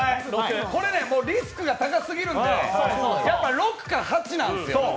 これリスクが高すぎるので６か８なんですよ。